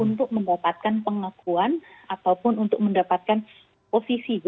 untuk mendapatkan pengakuan ataupun untuk mendapatkan posisi gitu ya